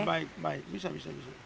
oh ya baik baik bisa bisa bisa